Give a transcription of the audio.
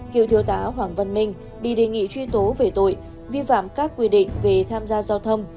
cựu thiếu tá hoàng văn minh bị đề nghị truy tố về tội vi phạm các quy định về tham gia giao thông